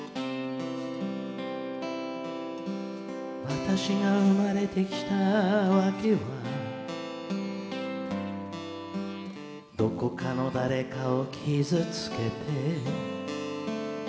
「私が生まれてきた訳は何処かの誰かを傷つけて」